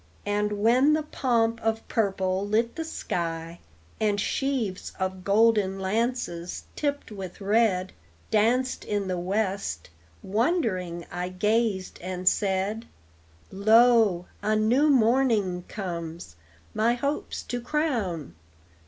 And when the pomp of purple lit the sky, And sheaves of golden lances tipped with red Danced in the west, wondering I gazed, and said, "Lo, a new morning comes, my hopes to crown!"